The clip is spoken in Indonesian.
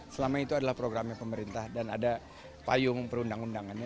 selama itu adalah programnya pemerintah dan ada payung perundang undangannya